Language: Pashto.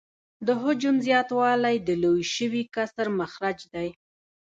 د حجم زیاتوالی د لوی شوي کسر مخرج دی